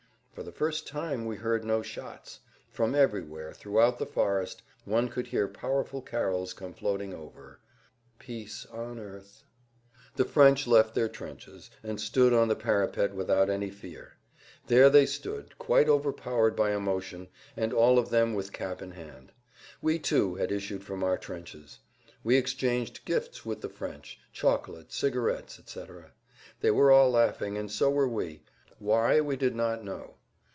For the first time we heard no shots.[Pg 162] From everywhere, throughout the forest, one could hear powerful carols come floating over—"Peace on earth—" The French left their trenches and stood on the parapet without any fear. There they stood, quite overpowered by emotion, and all of them with cap in hand. We, too, had issued from our trenches. We exchanged gifts with the French—chocolate, cigarettes, etc. They were all laughing, and so were we; why, we did not know.